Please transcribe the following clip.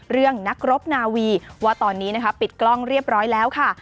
เรื่องนักรบนาวีว่าตอนนี้นะคะปิดกล้องเรียบร้อยแล้วค่ะ